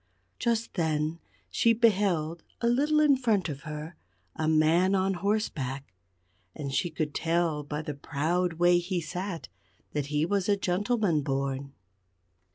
Just then she beheld, a little in front of her, a man on horseback. And she could tell by the proud way he sat that he was a gentleman born.